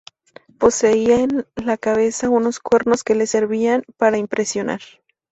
Poseía en la cabeza unos cuernos que le servían para impresionar.